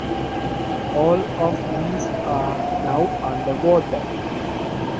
All of these are now underwater.